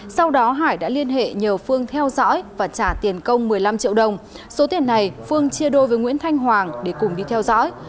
sau đó hải đã liên hệ nhờ phương theo dõi và trả tiền công một mươi năm triệu đồng số tiền này phương chia đôi với nguyễn thanh hoàng để cùng đi theo dõi